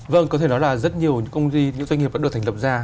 vâng có thể nói là rất nhiều công ty những doanh nghiệp đã được thành lập ra